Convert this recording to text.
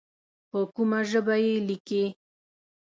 په کومه ژبه یې لیکې.